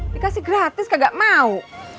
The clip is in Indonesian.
dikasih gratis kagak mau